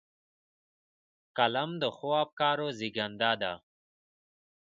قلم د ښو افکارو زېږنده ده